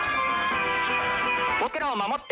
「僕らを守って！